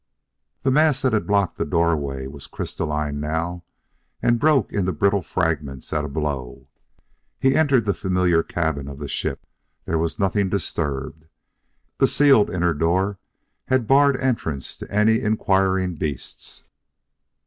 The mass that had blocked the doorway was crystalline now, and broke to brittle fragments at a blow. He entered the familiar cabin of the ship. There was nothing disturbed; the sealed inner door had barred entrance to any inquiring beasts.